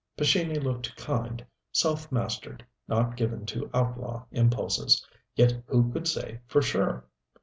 Pescini looked kind, self mastered, not given to outlaw impulses. Yet who could say for sure.